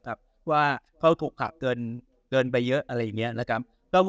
ครับว่าเขาถูกหักเกินเกินไปเยอะอะไรเงี้ยนะครับแล้ว